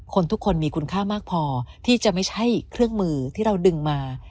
ทุกคนมีคุณค่ามากพอที่จะไม่ใช่เครื่องมือที่เราดึงมา